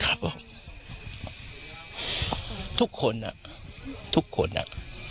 ครับทุกคนอะทุกคนอะ